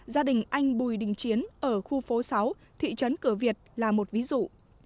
gia đình anh bùi đình chiến ở khu phố sáu thị trấn cửa việt là một ví dụ